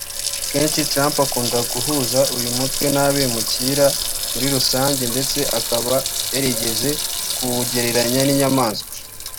Akenshi Trump akunda guhuza uyu mutwe n’abimukira muri rusange ndetse akaba yarigeze kuwugereranya n’inyamaswa